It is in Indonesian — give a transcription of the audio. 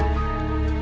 aku mau ke kamar